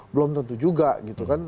belum tentu juga gitu kan